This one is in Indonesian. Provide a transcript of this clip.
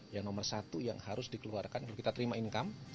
yang nomor satu yang harus dikeluarkan kalau kita terima income